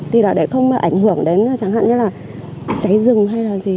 thì là để không ảnh hưởng đến chẳng hạn như là cháy rừng hay là gì